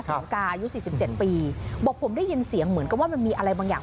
สังกาอายุสี่สิบเจ็ดปีบอกผมได้ยินเสียงเหมือนกับว่ามันมีอะไรบางอย่าง